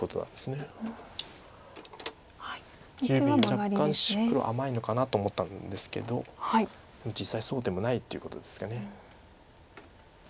若干黒甘いのかなと思ったんですけど実際そうでもないということですか。